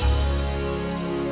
ini bukan kemarin